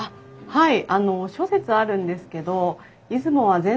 はい。